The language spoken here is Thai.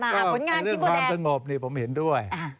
แต่เรื่องความสงบนี่ผมเห็นด้วย